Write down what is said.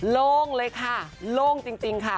โล่งเลยค่ะโล่งจริงค่ะ